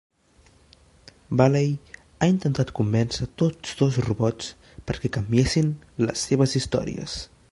Baley ha intentat convèncer tots dos robots perquè canviessin les seves històries.